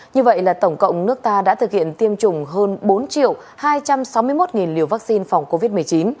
như vậy là tổng cộng nước ta đã thực hiện tiêm chủng hơn bốn hai trăm sáu mươi một liều vaccine phòng covid một mươi chín